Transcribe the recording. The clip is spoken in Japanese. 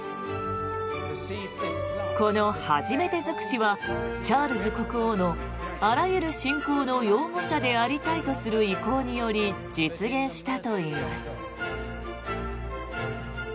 この初めて尽くしはチャールズ国王のあらゆる信仰の擁護者でありたいとする意向により実現したといいます。